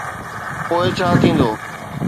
پوءِ ڇا ٿيندو؟